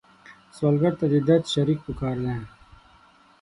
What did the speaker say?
سوالګر ته د درد شریک پکار دی